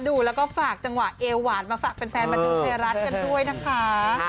ดูแล้วก็ฝากจังหวะเอวหวานมาฝากแฟนบันเทิงไทยรัฐกันด้วยนะคะ